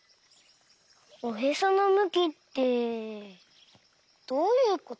おへそのむきってどういうこと？